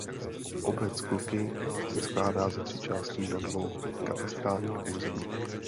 Obec Kluky se skládá ze tří částí na dvou katastrálních územích.